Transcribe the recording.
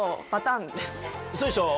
そうでしょう？